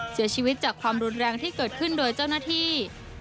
เสียชีวิตจากความรุนแรงที่เกิดขึ้นโดยเจ้าหน้าที่